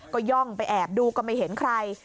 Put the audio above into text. ก็ย่องไปแอบดูก็ไม่เห็นใคร